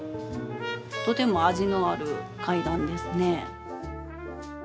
とても味のある階段ですね。